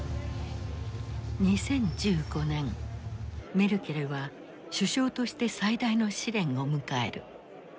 メルケルは首相として最大の試練を迎える。